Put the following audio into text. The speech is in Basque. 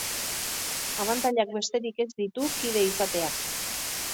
Abantailak besterik ez ditu kide izateak.